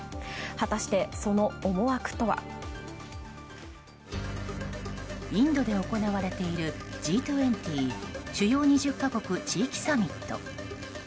果たして、その思惑とは。インドで行われているＧ２０・主要２０か国・地域サミット。